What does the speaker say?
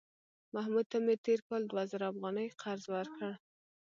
محمود ته مې تېر کال دوه زره افغانۍ قرض ورکړ